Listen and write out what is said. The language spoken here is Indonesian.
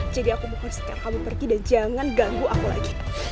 jadi aku mau kesehatan kamu pergi dan jangan ganggu aku lagi